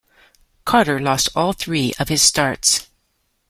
Carter lost all three of his starts.